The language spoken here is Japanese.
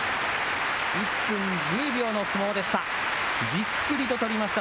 １分１０秒の相撲でした。